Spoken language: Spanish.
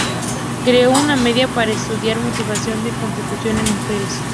Creó una medida para estudiar motivación de consecución en mujeres.